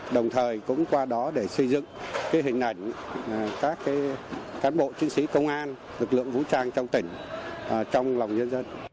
đồng thời cũng qua đó để xây dựng hình ảnh các cán bộ chiến sĩ công an lực lượng vũ trang trong tỉnh trong lòng nhân dân